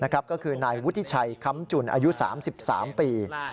ก็คือนายวุฒิชัยคำจุนอายุ๓๓ปี